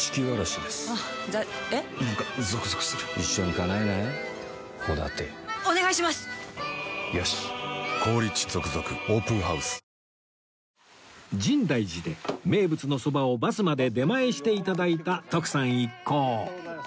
深大寺で名物のそばをバスまで出前して頂いた徳さん一行